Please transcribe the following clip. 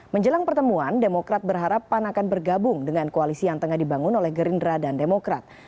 menjelang pertemuan demokrat berharap pan akan bergabung dengan koalisi yang tengah dibangun oleh gerindra dan demokrat